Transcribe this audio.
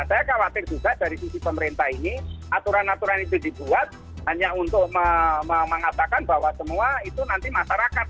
saya khawatir juga dari sisi pemerintah ini aturan aturan itu dibuat hanya untuk mengatakan bahwa semua itu nanti masyarakat